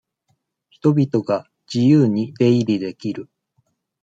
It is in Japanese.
人々が自由に出入りできる。